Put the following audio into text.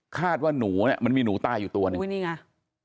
ว่าหนูเนี่ยมันมีหนูตายอยู่ตัวหนึ่งอุ้ยนี่ไง